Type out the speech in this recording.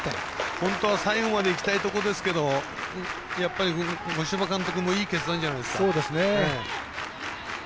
本当は最後までいきたいところですけどやっぱり五島監督もいい決断じゃないですか。